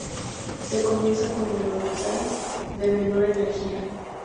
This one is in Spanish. Se comienza con el orbital de menor energía.